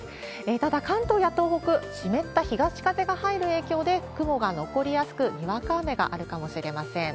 ただ、関東や東北、湿った東風が入る影響で、雲が残りやすく、にわか雨があるかもしれません。